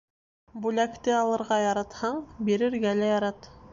Бүләкте алырға яратһаң, бирергә лә ярат.